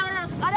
pabur ada ada